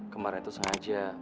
kemarin itu sengaja